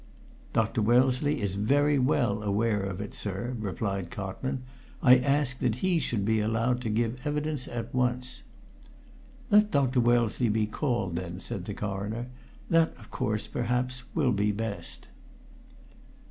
"Dr. Wellesley is very well aware of it, sir," replied Cotman. "I ask that he should be allowed to give evidence at once." "Let Dr. Wellesley be called, then," said the Coroner. "That course, perhaps, will be best."